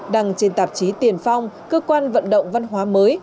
đăng trên tạp chí tiền phong cơ quan vận động văn hóa mới